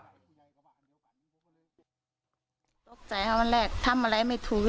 ตกใจค่ะวันแรกทำอะไรไม่ถูก